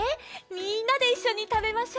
みんなでいっしょにたべましょ。